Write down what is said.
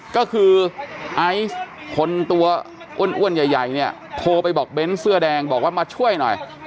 ก็คือไอซ์คนตัวอ้วนใหญ่เนี่ยโทรไปบอกเน้นเสื้อแดงบอกว่ามาช่วยหน่อย